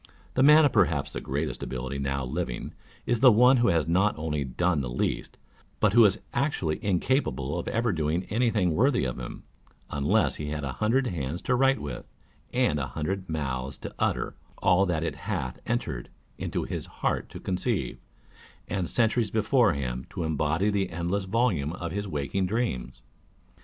The man of perhaps the greatest ability now living is the one who has not only done the least, but who is actually incapable of ever doing any thing worthy of him â€" unless he had a hundred hands to write with, and a hundred mouths to utter all that it hath entered into his heart to conceive, and centuries before him to embody the endless volume of his waking dreams.